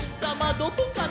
どこかな？」